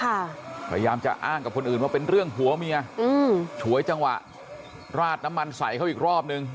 พยายามจะอ้างกับคนอื่นว่าเป็นเรื่องผัวเมียอืมฉวยจังหวะราดน้ำมันใส่เขาอีกรอบนึง